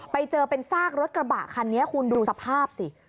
ไปเจอเป็นซากรถกระบะคันนี้คุณดูสภาพสิ